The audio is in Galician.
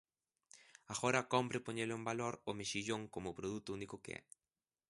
Agora cómpre poñelo en valor o mexillón como o produto único que é.